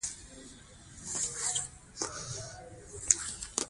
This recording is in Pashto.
افغانستان د نفت کوربه دی.